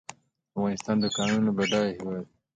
افغانستان د کانونو بډایه هیواد دی